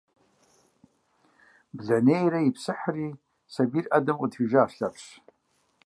Блэнейрэ ипсыхьри, сабийр ӏэдэм къыдихыжащ Лъэпщ.